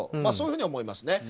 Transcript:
そういうふうに思います。